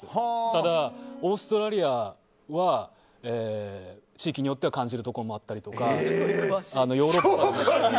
ただオーストラリアは地域によっては感じるところもあったりとかヨーロッパでも。